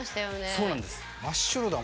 そうなんです。